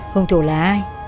hùng thủ là ai